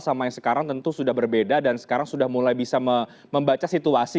sama yang sekarang tentu sudah berbeda dan sekarang sudah mulai bisa membaca situasi